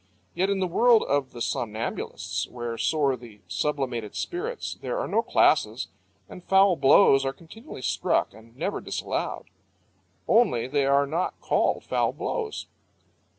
Yet in the world of the somnambulists, where soar the sublimated spirits, there are no classes, and foul blows are continually struck and never disallowed. Only they are not called foul blows.